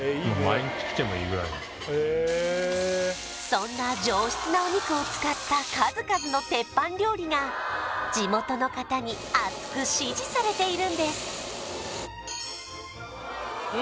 そんな上質なお肉を使った数々の鉄板料理が地元の方にあつく支持されているんです